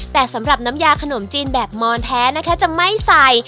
แต่สำหรับน้ำยาขนมจีนแบบมอนแท้นะคะจะไม่ใส่